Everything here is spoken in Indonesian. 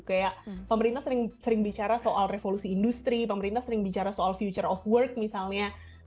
kayak pemerintah sering bicara soal revolusi industri pemerintah sering bicara soal future of work misalnya